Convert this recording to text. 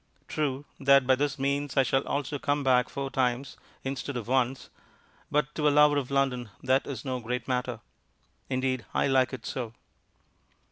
True that by this means I shall also come back four times instead of once, but to a lover of London that is no great matter. Indeed, I like it so.